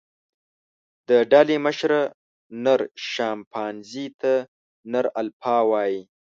د ډلې مشره، نر شامپانزي ته نر الفا وایي.